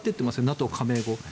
ＮＡＴＯ加盟後。